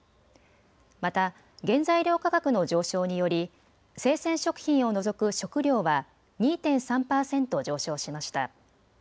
また、原材料価格の上昇により、生鮮食品を除く食料は２．３％上昇しました。